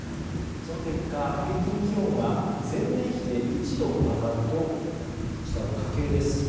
その結果、平均気温が前年比で１度上がると下は家計です。